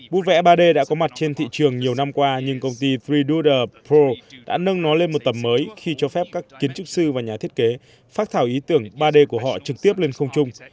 bút vẽ ba d đã có mặt trên thị trường nhiều năm qua nhưng công ty frieduzer pro đã nâng nó lên một tầm mới khi cho phép các kiến trúc sư và nhà thiết kế phát thảo ý tưởng ba d của họ trực tiếp lên không trung